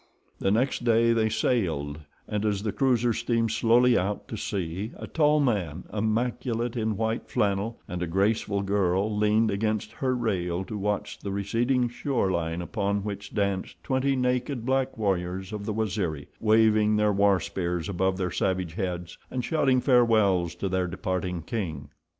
The next day they sailed, and as the cruiser steamed slowly out to sea a tall man, immaculate in white flannel, and a graceful girl leaned against her rail to watch the receding shore line upon which danced twenty naked, black warriors of the Waziri, waving their war spears above their savage heads, and shouting farewells to their departing king.